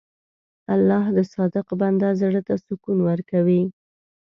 الله د صادق بنده زړه ته سکون ورکوي.